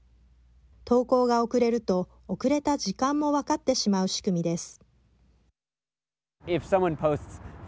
投稿が遅れると遅れた時間も分かってしまう仕組みです。